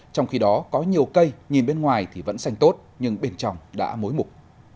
trong khi đó có nhiều cây nhìn bên ngoài thì vẫn xanh tốt nhưng bên trong đã mối mục